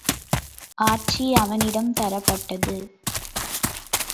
ஆட்சி அவனிடம் தரப்பட்டது.